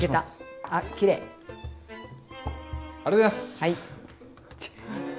はい。